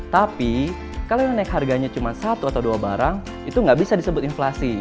tapi kalau yang naik harganya cuma satu atau dua barang itu nggak bisa disebut inflasi